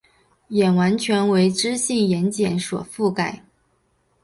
眼完全为脂性眼睑所覆盖。